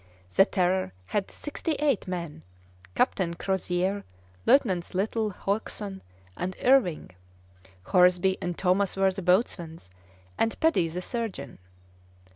The Terror had sixty eight men, Captain Crozier; Lieutenants Little, Hodgson, and Irving; Horesby and Thomas were the boatswains, and Peddie the surgeon.